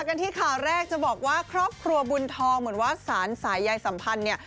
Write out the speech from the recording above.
กันที่ข่าวแรกจะบอกว่าครอบครัวบุญทองเหมือนว่าสารสายยายสัมพันธ์เนี่ย